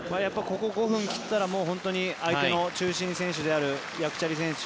ここ５分を切ったらもう本当に相手の中心選手であるヤクチャリ選手